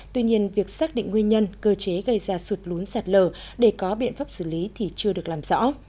tuy nhiên việc xác định nguyên nhân cơ chế gây ra sụt lún sạt lờ để có biện pháp xử lý thì chưa được làm rõ